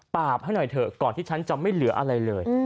ให้หน่อยเถอะก่อนที่ฉันจะไม่เหลืออะไรเลย